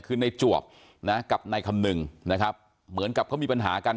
คือในจวบนะกับนายคำนึงนะครับเหมือนกับเขามีปัญหากัน